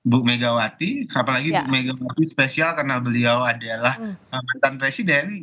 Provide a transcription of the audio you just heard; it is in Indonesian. bu megawati apalagi bu megawati spesial karena beliau adalah mantan presiden